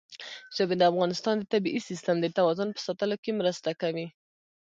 ژبې د افغانستان د طبعي سیسټم د توازن په ساتلو کې مرسته کوي.